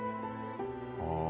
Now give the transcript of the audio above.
「ああ」